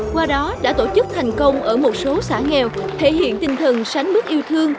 qua đó đã tổ chức thành công ở một số xã nghèo thể hiện tinh thần sánh bước yêu thương